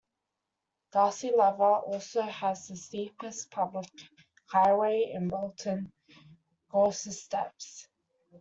Darcy Lever also has the steepest public highway in Bolton, Gorses Steps.